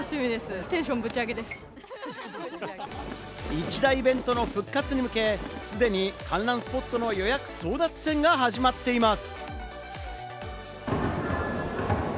一大イベントの復活に向け、既に観覧スポットの予約争奪戦が始まっています。